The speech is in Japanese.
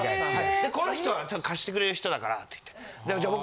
この人は貸してくれる人だからって言って。